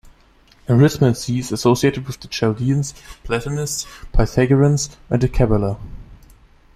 Arithmancy is associated with the Chaldeans, Platonists, Pythagoreans, and the Kabbalah.